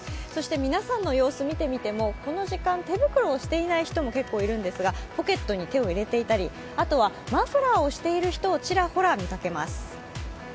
皆さんの様子を見てみましてもこの時間、手袋をしていない人も結構いるんですがポケットに手を入たり、マフラーをしている人をちらほら見かけます。